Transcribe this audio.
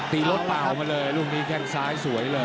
ตีรถเปล่ามาเลยลูกนี้แข้งซ้ายสวยเลย